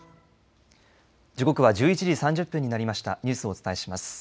時刻は１１時３０分になりましたニュースをお伝えします。